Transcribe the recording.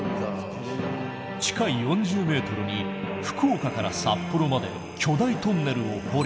地下４０ｍに福岡から札幌まで巨大トンネルを掘り